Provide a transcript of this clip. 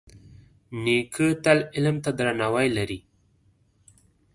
نیکه تل علم ته درناوی لري.